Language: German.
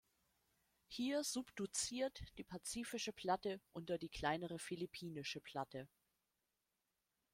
Hier subduziert die Pazifische Platte unter die kleinere Philippinische Platte.